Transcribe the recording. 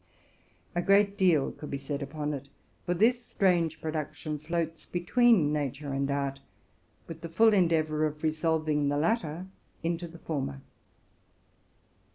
'' A great deal could be said upon it; for this strange production floats between nature and art, with the full endeavor of resolving the latter into the former.